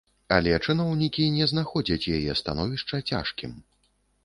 Але чыноўнікі не знаходзяць яе становішча цяжкім.